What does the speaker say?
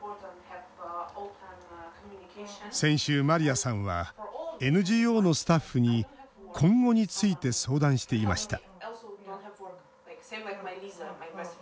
先週、マリアさんはＮＧＯのスタッフに今後について相談していました